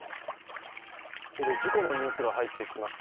ここで事故のニュースが入ってきました。